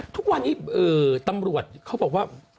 ทุกวันนี้ตำรวจเขาบอกว่า